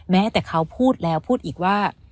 แม้แต่เขาพูดแล้วพูดอีกว่า